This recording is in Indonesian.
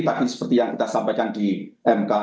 tadi seperti yang kita sampaikan di mk